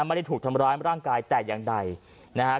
ไม่ได้ถูกทำร้ายร่างกายแต่อย่างใดนะฮะ